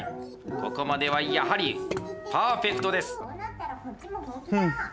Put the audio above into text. ここまではやはりパーフェクトです。